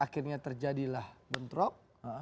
akhirnya terjadilah bentrok